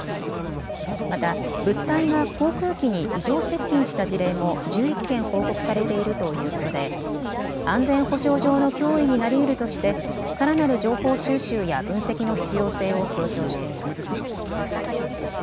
また物体が航空機に異常接近した事例も１１件報告されているということで安全保障上の脅威になりうるとしてさらなる情報収集や分析の必要性を強調しています。